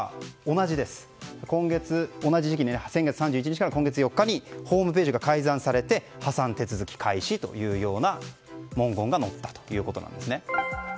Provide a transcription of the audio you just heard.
同じ時期先月３１日から今月４日にホームページが改ざんされて破産手続き開始という文言が載ったということです。